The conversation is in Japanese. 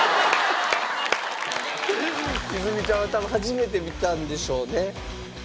泉ちゃんは多分初めて見たんでしょうね。